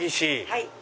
はい。